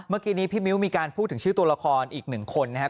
เมื่อกี้นี้พี่มิ้วมีการพูดถึงชื่อตัวละครอีกหนึ่งคนนะครับ